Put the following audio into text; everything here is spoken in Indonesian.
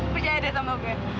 percaya deh sama gue